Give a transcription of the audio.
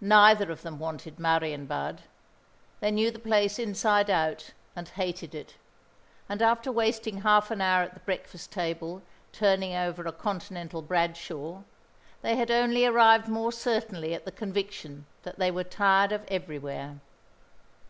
Neither of them wanted Marienbad. They knew the place inside out, and hated it; and after wasting half an hour at the breakfast table turning over a Continental Bradshaw, they had only arrived more certainly at the conviction that they were tired of everywhere.